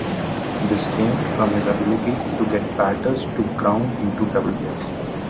This came from his ability to get batters to ground into double plays.